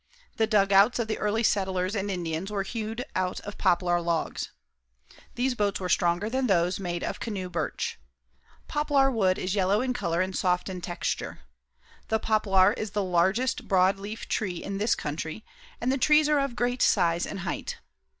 The dugouts of the early settlers and Indians were hewed out of poplar logs. These boats were stronger than those made of canoe birch. Poplar wood is yellow in color and soft in texture. The poplar is the largest broad leaf tree in this country and the trees are of great size and height.